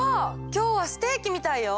今日はステーキみたいよ！